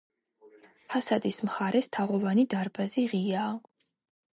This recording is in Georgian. ფასადის მხარეს თაღოვანი დარბაზი ღიაა.